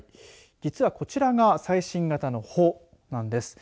実はこちらが最新型の帆なんです。